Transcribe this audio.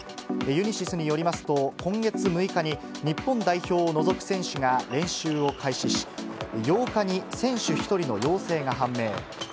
ユニシスによりますと、今月６日に、日本代表を除く選手が練習を開始し、８日に選手１人の陽性が判明。